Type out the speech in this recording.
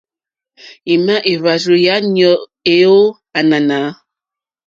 Ima èhvàrzù ya nyoò e ò ànànà?